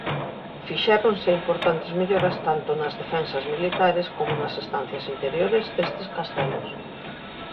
Fixéronse importantes melloras tanto nas defensas militares como nas estancias interiores destes castelos.